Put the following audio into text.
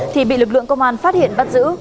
thì bị lực lượng công an phát hiện bắt giữ